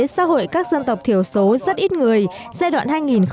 xã hội các dân tộc thiểu số rất ít người giai đoạn hai nghìn một mươi sáu hai nghìn hai mươi